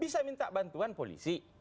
bisa minta bantuan polisi